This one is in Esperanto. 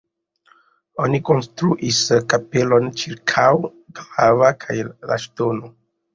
Oni konstruis kapelon ĉirkaŭ la glavo kaj la ŝtono.